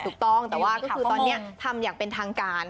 ถูกต้องแต่ว่าก็คือตอนนี้ทำอย่างเป็นทางการ